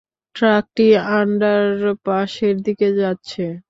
ট্রাকটি আন্ডারপাসের দিকে যাচ্ছে।